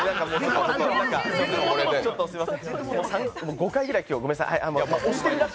５回ぐらい今日ごめんなさい。